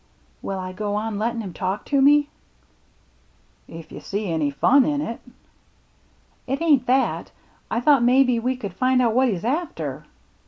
" Will I go on lettin' him talk to me ?"" If you see any fun in it." " It ain't that — I thought maybe we could find out what he's after."